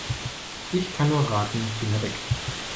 Ich kann nur raten: Finger weg!